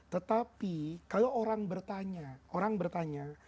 tetapi kalau orang bertanya